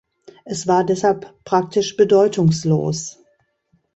Es war deshalb praktisch bedeutungslos.